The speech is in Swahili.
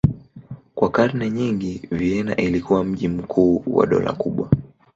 Kwa karne nyingi Vienna ilikuwa mji mkuu wa dola kubwa.